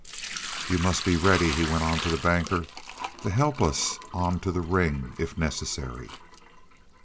"You must be ready," he went on to the Banker, "to help us on to the ring if necessary."